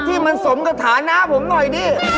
ที่มันสมกับฐานะผมหน่อยดิ